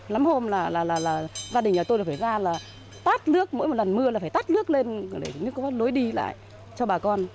lắm hôm là gia đình nhà tôi phải ra là tát nước mỗi lần mưa là phải tát nước lên để có lối đi lại cho bà con